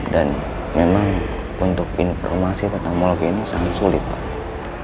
dan memang untuk informasi tentang moluka ini sangat sulit pak